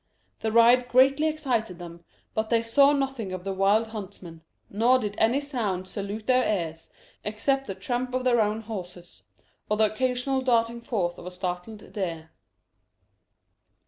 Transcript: The ride greatly excited them, but they saw nothing of the wild huntsman; nor did any sound salute their ears except the tramp of their own horses, or the occasional darting forth of a startled deer.